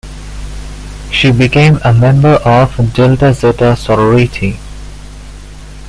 She became a member of Delta Zeta sorority.